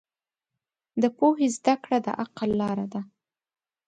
د پوهې زده کړه د عقل لاره ده.